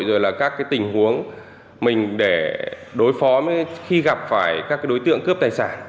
rồi là các tình huống mình để đối phó với khi gặp phải các đối tượng cướp tài sản